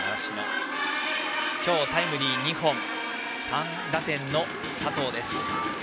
バッターは今日タイムリー２本３打点の佐藤です。